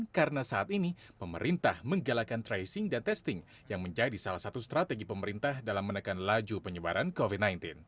karena saat ini pemerintah menggelakkan tracing dan testing yang menjadi salah satu strategi pemerintah dalam menekan laju penyebaran covid sembilan belas